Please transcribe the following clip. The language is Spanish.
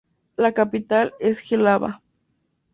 La capital es Jihlava.